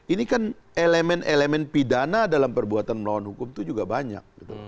ini kan elemen elemen pidana dalam perbuatan melawan hukum itu juga banyak